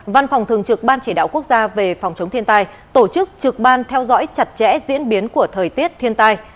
văn phòng thường trực ban chỉ đạo quốc gia về phòng chống thiên tai tổ chức trực ban theo dõi chặt chẽ diễn biến của thời tiết thiên tai